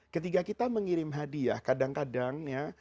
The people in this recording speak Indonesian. ketika kita mengirim hadiah kadang kadang ya